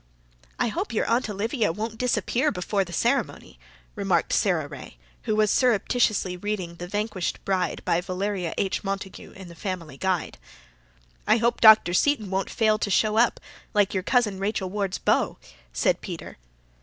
"I hope your Aunt Olivia won't disappear before the ceremony," remarked Sara Ray, who was surreptitiously reading "The Vanquished Bride," by Valeria H. Montague in the Family Guide. "I hope Dr. Seton won't fail to show up, like your cousin Rachel Ward's beau," said Peter.